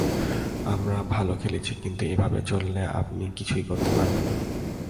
আমরা ভালো খেলেছি, কিন্তু এভাবে চললে আপনি কিছুই করতে পারবেন না।